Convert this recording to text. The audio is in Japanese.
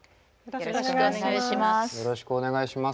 よろしくお願いします。